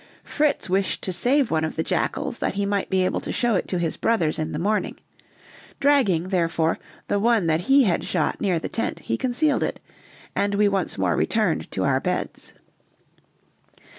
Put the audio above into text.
Fritz wished to save one of the jackals that he might be able to show it to his brothers in the morning; dragging, therefore, the one that he had shot near the tent, he concealed it, and we once more returned to our beds.